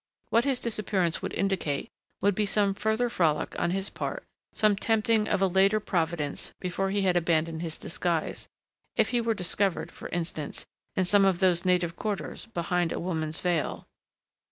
What his disappearance would indicate would be some further frolic on his part, some tempting of a later Providence before he had abandoned his disguise.... If he were discovered, for instance, in some of those native quarters, behind a woman's veil....